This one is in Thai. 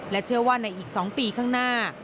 เชื่อว่าในอีก๒ปีข้างหน้า